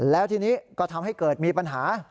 แล้วทีนี้ก็ทำให้เกิดมีปัญหา